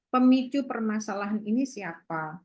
pemicu permasalahan ini siapa